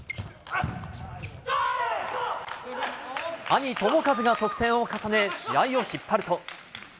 兄、智和が得点を重ね、試合を引っ張ると。